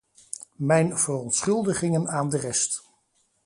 Mijn verontschuldigingen aan de rest.